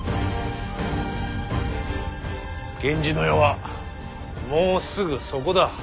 源氏の世はもうすぐそこだ。